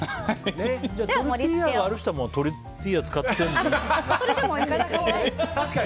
トルティーヤがある人はトルティーヤ確かに。